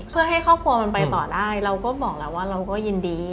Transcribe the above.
เพื่อให้ครอบครัวมันไปต่อได้เราก็บอกแล้วว่าเราก็ยินดี